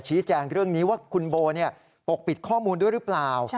แจ้งเรื่องนี้ว่าคุณโบปกปิดข้อมูลด้วยหรือเปล่า